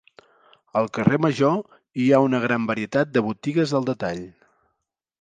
Al carrer Major hi ha una gran varietat de botigues al detall.